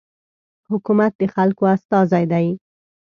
حکومت د خلکو استازی دی.